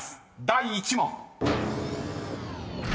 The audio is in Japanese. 第１問］